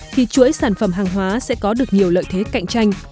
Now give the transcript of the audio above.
thì chuỗi sản phẩm hàng hóa sẽ có được nhiều lợi thế cạnh tranh